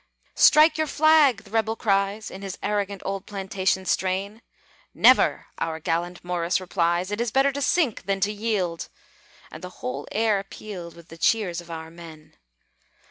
"Strike your flag!" the rebel cries In his arrogant old plantation strain. "Never!" our gallant Morris replies: "It is better to sink than to yield!" And the whole air pealed With the cheers of our men.